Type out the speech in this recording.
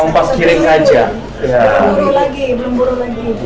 angkos kering aja belum buruh lagi